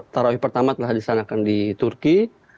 tarawih pertama telah disanakan di turki